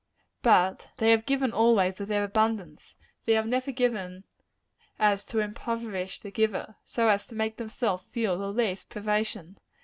But they have given, always, of their abundance. They have never so given as to impoverish the giver so as to make themselves feel the least privation.